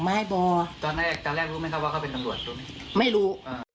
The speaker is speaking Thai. ไม่รู้